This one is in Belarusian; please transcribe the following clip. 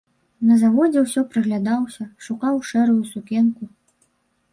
На заводзе ўсё прыглядаўся, шукаў шэрую сукенку.